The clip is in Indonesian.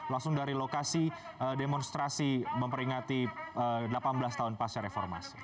langsung dari lokasi demonstrasi memperingati delapan belas tahun pasca reformasi